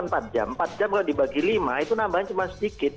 empat jam empat jam kalau dibagi lima itu nambahnya cuma sedikit